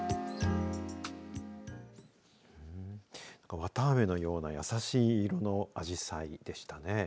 綿あめのようなやさしい色のあじさいでしたね。